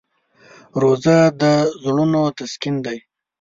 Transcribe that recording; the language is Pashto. روژه د زړونو تسکین دی.